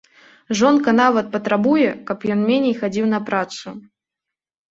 Жонка нават патрабуе, каб ён меней хадзіў на працу.